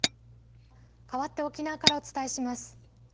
かわって沖縄からお伝えします。